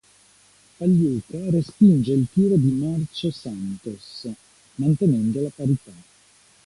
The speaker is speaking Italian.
Pagliuca respinge il tiro di Márcio Santos, mantenendo la parità.